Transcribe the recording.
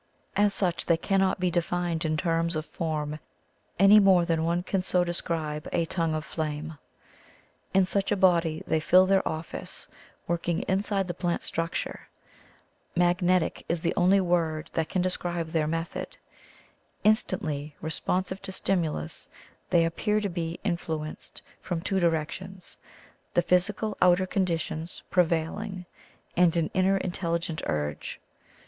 As such they cannot be defined in terms of form any more than one can so de scribe a tongue of flame. In such a body they fill their office, working inside the plant structure. * Magnetic' is the only word that can describe their method. Instantly re sponsive to stimulus, they appear to be in fluenced from two directions — the physical outer conditions prevailing and an inner in telligent urge.